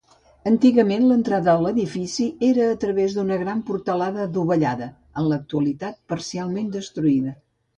Antigament l'entrada a l'edifici era a través d'una gran portalada adovellada, en l'actualitat parcialment destruïda.